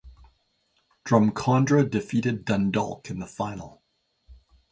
Drumcondra defeated Dundalk in the final.